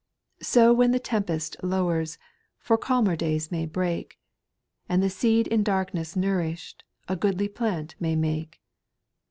^ 3. Sow when the tempest lowers. For calmer days may break ; And the seed in darkness nourished, A goodly plant may make.